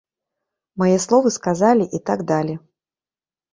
Мае словы сказілі і так далі.